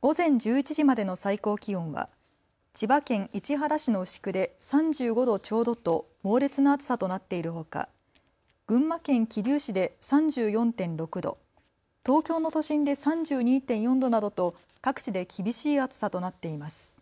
午前１１時までの最高気温は千葉県市原市の牛久で３５度ちょうどと猛烈な暑さとなっているほか群馬県桐生市で３４．６度、東京の都心で３２．４度などと各地で厳しい暑さとなっています。